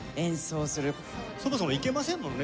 そもそも行けませんもんね